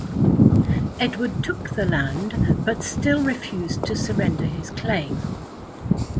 Edward took the land but still refused to surrender his claim.